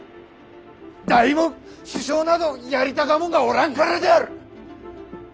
誰も首相などやりたかもんがおらんからである。